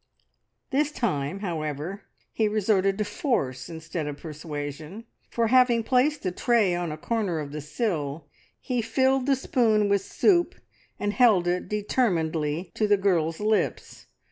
This time, however, he resorted to force instead of persuasion, for, having placed the tray on a corner of the sill, he filled the spoon with soup and held it determinedly to the girl's lips.